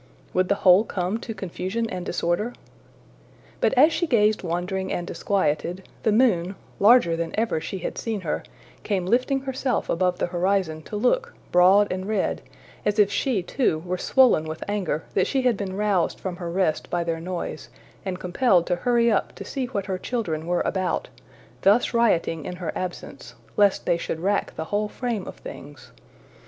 Would the whole come to confusion and disorder? But as she gazed wondering and disquieted, the moon, larger than ever she had seen her, came lifting herself above the horizon to look, broad and red, as if she, too, were swollen with anger that she had been roused from her rest by their noise, and compelled to hurry up to see what her children were about, thus rioting in her absence, lest they should rack the whole frame of things.